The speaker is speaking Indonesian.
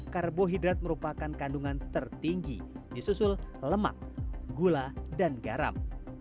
karbohidrat merupakan kandungan tertinggi di susul lemak gula dan garam